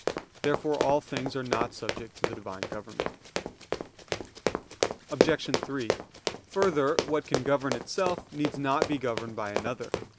Therefore all things are not subject to the Divine government. Obj. 3: Further, what can govern itself needs not to be governed by another.